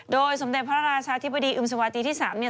โดยสมเด็จพระราชาธิบดีอึมสวาตีที่๓